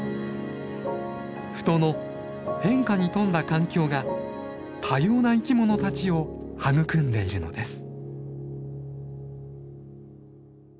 富戸の変化に富んだ環境が多様な生きものたちを育んでいるのです。